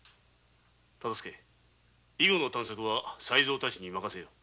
忠相以後の探索は才三たちに任せよう。